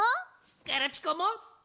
ガラピコも！